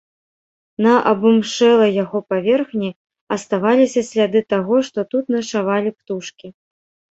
На абымшэлай яго паверхні аставаліся сляды таго, што тут начавалі птушкі.